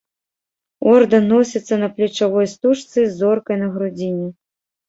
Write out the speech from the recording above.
Ордэн носіцца на плечавой стужцы з зоркай на грудзіне.